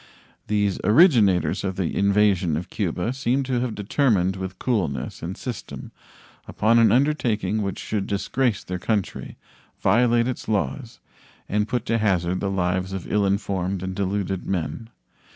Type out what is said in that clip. These originators of the invasion of Cuba seem to have determined with coolness and system upon an undertaking which should disgrace their country, violate its laws, and put to hazard the lives of ill informed and deluded men.